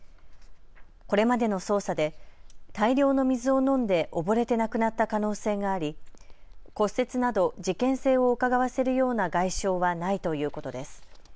これまでの捜査で大量の水を飲んで溺れて亡くなった可能性があり骨折など事件性をうかがわせるような外傷はないということです。